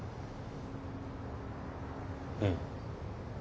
うん。